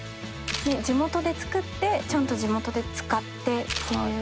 地元で作ってちゃんと地元で使って。